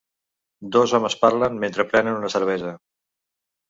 Dos homes parlen mentre prenen una cervesa.